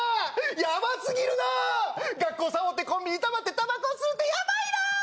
やばすぎるなー学校サボってコンビニたまってタバコ吸うてやばいなー！